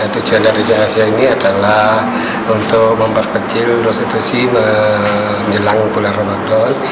tujuan dari rahasia ini adalah untuk memperkecil restitusi menjelang bulan ramadan